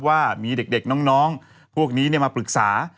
ว่ามีเด็กน้องพวกนี้มาปรึกษา